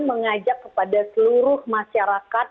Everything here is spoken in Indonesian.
mengajak kepada seluruh masyarakat